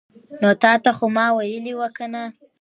نو تاته خو ما ویلې وو کنه